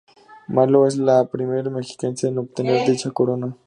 Malo es la primer mexiquense en obtener dicha corona.